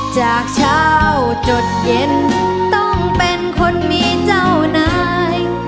จากเช้าจดเย็นต้องเป็นคนมีเจ้านาย